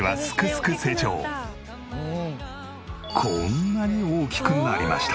こんなに大きくなりました。